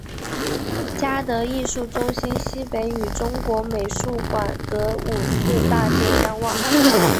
嘉德艺术中心西北与中国美术馆隔五四大街相望。